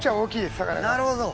なるほど。